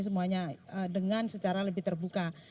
semuanya dengan secara lebih terbuka